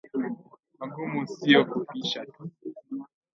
Magumu sio kufisha tu